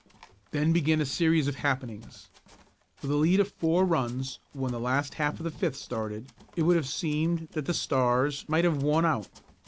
Then began a series of happenings. With a lead of four runs when the last half of the fifth started it would have seemed that the Stars might have won out.